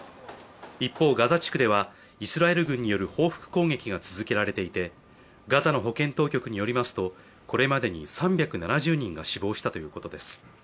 一方、ガザ地区ではイスラエル軍による報復攻撃が続けられていてガザの保健当局によりますとこれまでに３７０人が死亡したということです。